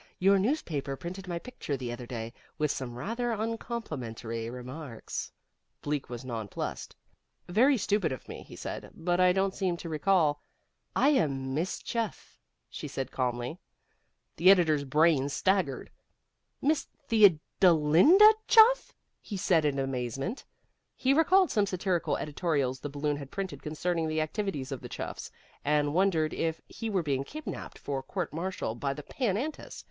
Your newspaper printed my picture the other day, with some rather uncomplimentary remarks." Bleak was nonplussed. "Very stupid of me," he said, "but I don't seem to recall " "I am Miss Chuff," she said calmly. The editor's brain staggered. "Miss Theodolinda Chuff?" he said, in amazement. He recalled some satirical editorials the Balloon had printed concerning the activities of the Chuffs, and wondered if he were being kidnaped for court martial by the Pan Antis.